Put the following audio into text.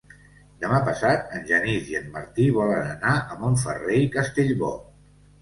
Demà passat en Genís i en Martí volen anar a Montferrer i Castellbò.